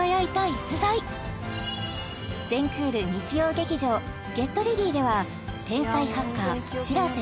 逸材前クール日曜劇場「ＧｅｔＲｅａｄｙ！」では天才ハッカー白瀬